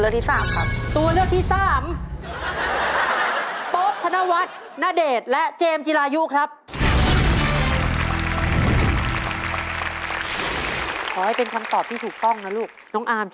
ตัวเลือกที่๓ครับ